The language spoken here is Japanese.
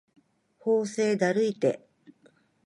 法政だるいて